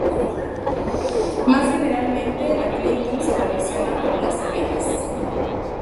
Más generalmente, la clinton se relaciona con las Cevenas.